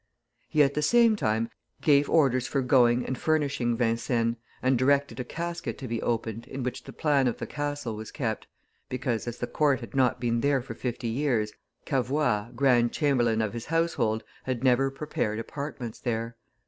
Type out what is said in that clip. He at the same time gave orders for going and furnishing Vincennes, and directed a casket to be opened in which the plan of the castle was kept, because, as the court had not been there for fifty years, Cavoye, grand chamberlain of his household, had never prepared apartments there.